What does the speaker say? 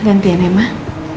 gantian ya emang